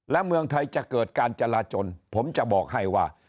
และเมืองไทยจะเกิดการจราจนผมจะบอกให้ว่า